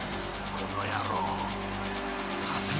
［この野郎！